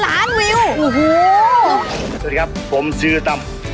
สวัสดีครับผมชื่อตำ